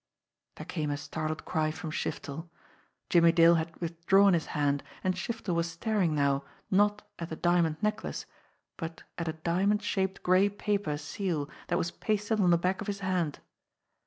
There came a startled cry from Shiftel. Jimmie Dale had withdrawn his hand, and Shiftel was staring now, not at the diamond necklace, but at a diamond shaped gray paper seal that was pasted on the back of his hand.